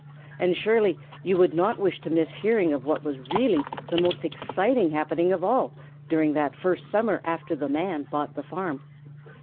And surely you would not wish to miss hearing of what was really the most exciting happening of all, during that first summer after the Man bought the farm.